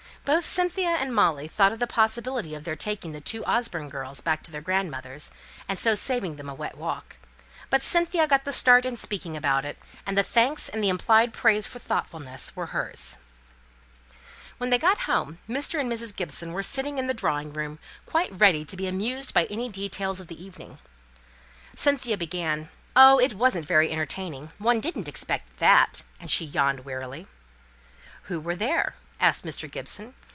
Both Cynthia and Molly thought of the possibility of their taking the two Orford girls back to their grandmother's, and so saving them a wet walk; but Cynthia got the start in speaking about it; and the thanks and the implied praise for thoughtfulness were hers. When they got home Mr. and Mrs. Gibson were sitting in the drawing room, quite ready to be amused by any details of the evening. Cynthia began, "Oh! it wasn't very entertaining. One didn't expect that," and she yawned wearily. "Who were there?" asked Mr. Gibson.